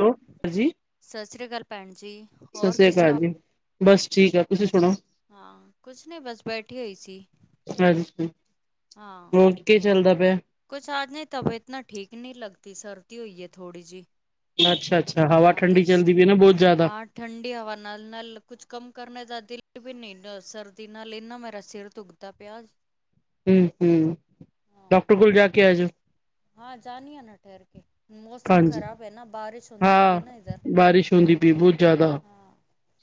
Hello ਹਾਂਜੀ ਸਸ ਰੀ ਕਾਲ ਭੈਣ ਜੀ, ਸਤਿ ਹੋਰ ਸ੍ਰੀ ਕਿਸ ਅਕਾਲ ਤਰ੍ਹਾਂ ਹੋ। ਜੀ ਬਸ ਠੀਕ ਆ, ਤੁਸੀਂ ਸੁਣੋ ਹਾਂ, ਕੁਛ ਨਹੀਂ ਬਸ ਬੈਠੀ ਹੋਈ ਸੀ। ਹਾਂਜੀ, ਹੋਰ ਕੀ ਚੱਲਦਾ ਪਿਆ। ਕੁੱਛ ਆਜ ਨੀ ਤਬੀਅਤ ਨਾ ਠੀਕ ਨਹੀਂ ਲੱਗਦੀ, ਸਰਦੀ ਹੋਈ ਆ ਥੋੜੀ ਜੀ। ਅੱਛਾ-ਅੱਛਾ, ਹਵਾ ਹਾਂ ਤੇ ਠੰਡੀ ਚੱਲਦੀ ਪਈ ਨਾ ਬਹੁਤ ਜ਼ਿਆਦਾ। ਹਾਂ ਠੰਡੀ ਹਵਾ ਨਾਲ-ਨਾਲ ਕੁਝ ਕੰਮ ਕਰਨੇ ਦਾ ਦਿਲ ਵੀ ਨਹੀਂ, ਸਰਦੀ ਨਾਲ ਇੰਨਾ ਮੇਰਾ ਸਿਰ ਦੁਖ ਤਾ ਪਿਆਜ਼। ਹੂੰ-ਹੂੰ, ਡਾਕਟਰ ਕੋਲ ਜਾ ਕੇ ਆਜੋ। ਹਾਂ ਜਾਣੀ ਆ ਨਾ ਠਹਿਰ ਕੇ, ਮੌਸਮ ਹਾਂਜੀ ਖ਼ਰਾਬ ਐ ਨਾ ਬਾਰਿਸ਼ ਹੁੰਦੀ ਪਈ ਐ ਹਾਂ ਨਾ ਇੱਧਰ। ਬਾਰਿਸ਼ ਹੁੰਦੀ ਪਈ ਬੌਤ ਜਾਦਾ,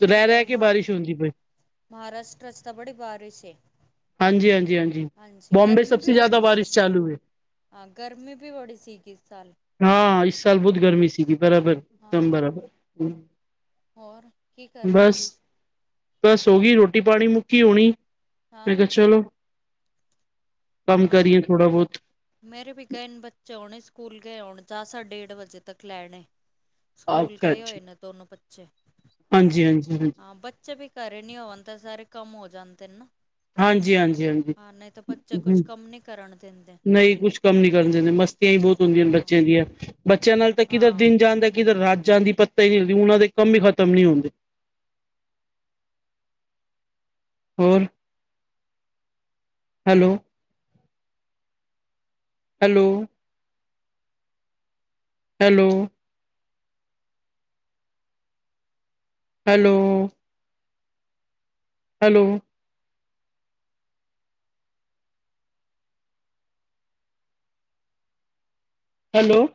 ਰੈ-ਰੈ ਕੇ ਬਾਰਿਸ਼ ਹੁੰਦੀ ਪਈ। ਮਹਾਰਾਸ਼ਟਰਾ ਚ ਤਾਂ ਬੜੀ ਬਾਰਿਸ਼ ਏ। ਹਾਂਜੀ-ਹਾਂਜੀ-ਹਾਂਜੀ, ਬੋਮਬੇ ਸਭ ਵੀ ਸੇ ਜ਼ਿਆਦਾ ਬੜੀ ਸੀ, ਬਾਰਿਸ਼ ਚਾਲੂ ਏ। ਹਾਂ, ਗਰਮੀ ਵੀ ਬੜੀ ਸੀਗੀ ਇਸ ਸਾਲ। ਹਾਂ, ਇਸ ਸਾਲ ਬੌਤ ਗਰਮੀ ਸੀਗੀ, ਬਰਾਬਰ ਦਮ ਹਾਂ। ਬਰਾਬਰ। ਹੋਰ, ਕੀ ਕਰ ਰਏ ਬਸ ਸੀ? ਬਸ ਹੋ ਗਈ ਰੋਟੀ-ਪਾਣੀ ਮੁੱਕੀ ਹੋਣੀ, ਮੈਂ ਹਾਂ। ਕਿਹਾ ਚਲੋ ਕੰਮ ਹਾਂ, ਕਰੀਏ ਥੋੜਾ ਬੋਤ। ਮੇਰੇ ਪਿਤਾ ਇਨ ਬੱਚੇ ਆਉਣੇ ਸਕੂਲ ਗਏ ਹੋਣ, ਚਾਹ ਸਾਡੇ ਡੇਢ ਵਜੇ ਤੱਕ ਲੈਣੇ। ਸਕੂਲ ਅੱਛਾ ਗਏ ਅੱਛਾ ਹੋਏ ਨੇ ਦੋਨੋ ਬੱਚੇ, ਹਾਂਜੀ ਹਾਂਜੀ ਹਾਂਜੀ ਹਾਂ ਬੱ ਚੇ ਵੀ ਘਰੇ ਨੀ ਹੋਣ, ਤਾਂ ਸਾਰੇ ਕੰਮ ਹੋ ਜਾਂਦੇ ਨੇ ਨਾ। ਹਾਂਜੀ ਹਾਂਜੀ ਹਾਂਜੀ, ਹਾਂ, ਨਹੀਂ ਤਾਂ ਬੱਚੇ ਕੁਛ ਹੂੰ, ਕੰਮ ਨੀ ਕਰਨ ਦਿੰਦੇ। ਨਹੀਂ ਕੁਛ ਕੰਮ ਨੀ ਕਰਨ ਦਿੰਦੇ, ਮਸਤੀਆਂ ਹੀ ਬੌਤ ਹੁੰਦੀਆਂ ਨੇ ਹਾਂ, ਬੱਚਿਆਂ ਦੀਆਂ, ਬੱਚਿਆਂ ਨਾਲ ਤਾਂ ਕਿਧਰ ਹਾਂ। ਦਿਨ ਜਾਂਦਾ ਕਿਧਰ ਰਾਤ ਜਾਂ ਦੀ ਪੱਤਾ ਹੀ ਨਹੀਂ ਹੁੰਦਾ, ਉਹਨਾਂ ਦੇ ਕੰਮ ਵੀ ਖਤਮ ਨਹੀਂ ਹੁੰਦੇ ਹੋਰ hello. Hello. Hello. Hello hello- hello-